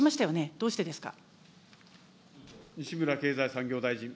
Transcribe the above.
どうしてですか。